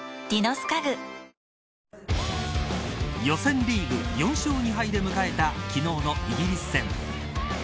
予選リーグ４勝２敗で迎えた昨日のイギリス戦。